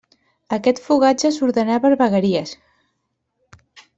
Aquest fogatge s'ordenà per vegueries.